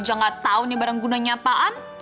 kita nggak tahu nih barang gunanya apaan